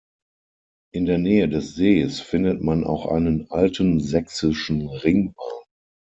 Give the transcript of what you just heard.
In der Nähe des Sees findet man auch einen alten sächsischen Ringwall.